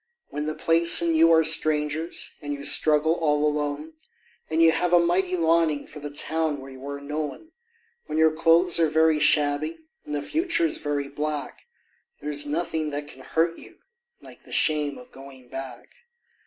When the place and you are strangers and you struggle all alone, And you have a mighty longing for the town where you are known; When your clothes are very shabby and the future's very black, There is nothing that can hurt you like the shame of going back.